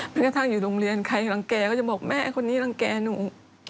ไม่กระทั่งอยู่โรงเรียนใครรังแก่ก็จะบอกแม่คนนี้รังแก่หนู